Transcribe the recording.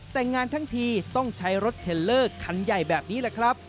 แต่งงานทั้งทีต้องใช้รถเทลเลอร์คันใหญ่แบบนี้แหละครับ